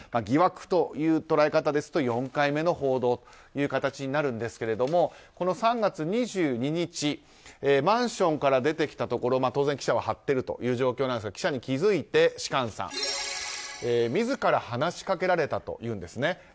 疑惑という捉え方ですと４回目の報道という形になるんですがこの３月２２日マンションから出てきたところを当然記者は張ってる状況ですが記者に気づいて、芝翫さん自ら話しかけられたというんですね。